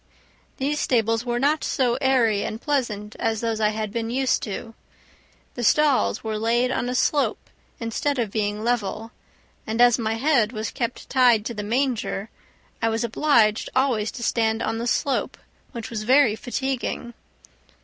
These stables were not so airy and pleasant as those I had been used to. The stalls were laid on a slope instead of being level, and as my head was kept tied to the manger, I was obliged always to stand on the slope, which was very fatiguing.